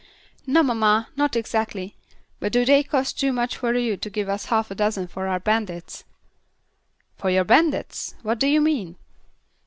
"No, mamma, not exactly; but do they cost too much for you to give us half a dozen for our bandits?" "For your bandits! What do you mean?"